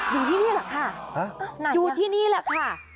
อยู่ที่นี่แหละค่ะอยู่ที่นี่แหละค่ะ